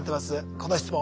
この質問。